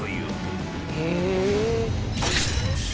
へえ！